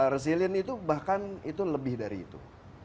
resilient itu bahkan itu lebih dari itu